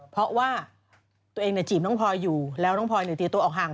เพราะว่าตัวเองจีบน้องพลอยอยู่แล้วน้องพลอยตีตัวออกห่าง